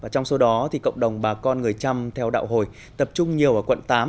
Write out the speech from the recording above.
trong số đó cộng đồng bà con người chăm theo đạo hồi tập trung nhiều ở quận tám